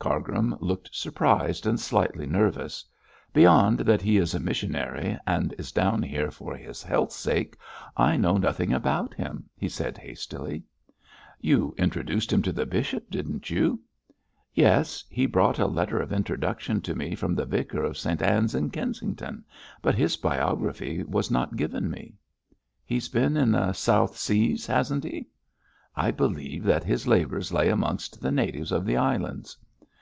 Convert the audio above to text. Cargrim looked surprised and slightly nervous. 'Beyond that he is a missionary, and is down here for his health's sake, I know nothing about him,' he said hastily. 'You introduced him to the bishop, didn't you?' 'Yes. He brought a letter of introduction to me from the Vicar of St Ann's in Kensington, but his biography was not given me.' 'He's been in the South Seas, hasn't he?' 'I believe that his labours lay amongst the natives of the islands!'